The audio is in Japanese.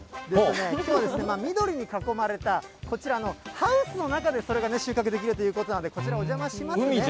きょうはですね、緑に囲まれた、こちらのハウスの中で、それが収穫できるということなんで、こちらお邪魔しますね。